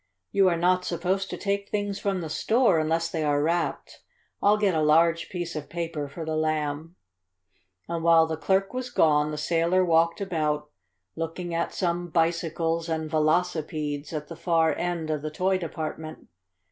"You are not supposed to take things from the store unless they are wrapped. I'll get a large piece of paper for the Lamb." And while the clerk was gone the sailor walked about, looking at some bicycles and velocipedes at the far end of the toy department.